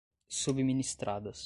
subministradas